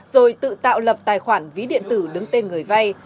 rồi tự tạo lập tài khoản ví điện tử đứng tên người vay